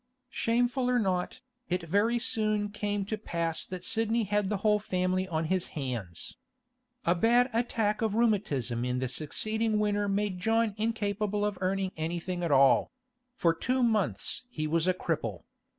Shameful or not, it very soon came to pass that Sidney had the whole family on his hands. A bad attack of rheumatism in the succeeding winter made John incapable of earning anything at all; for two months he was a cripple.